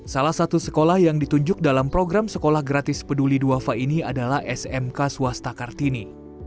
salah satu sekolah yang ditunjuk dalam program sekolah gratis peduli duafa ini adalah smk swasta kartini